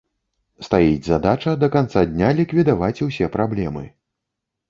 Стаіць задача да канца дня ліквідаваць усе праблемы.